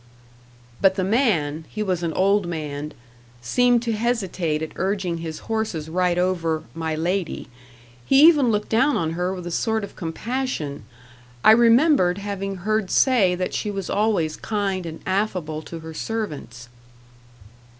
But the man he was an old man seemed to hesitate at urging his horses right over "my lady." He even looked down on her with a sort of compassion I remembered having heard say that she was always kind and affable to her servants.